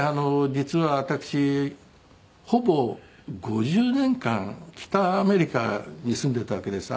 実は私ほぼ５０年間北アメリカに住んでいたわけです。